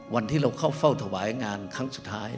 วันที่เราเข้าเฝ้าถวายงานครั้งสุดท้าย